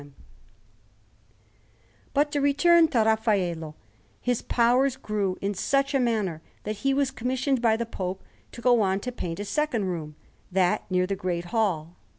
Rome: The Vatican_) Anderson] But to return to Raffaello; his powers grew in such a manner, that he was commissioned by the Pope to go on to paint a second room, that near the Great Hall.